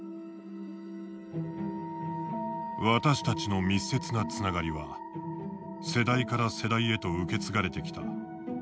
「私たちの密接なつながりは世代から世代へと受け継がれてきた。